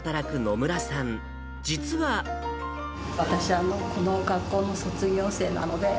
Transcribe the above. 私、この学校の卒業生なので。